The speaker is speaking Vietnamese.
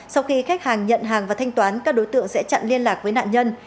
sau khi khách hàng nhận hàng và thanh toán các đối tượng sẽ chặn liên lạc với nạn nhân